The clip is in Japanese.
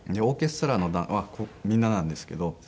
オーケストラのみんななんですけど。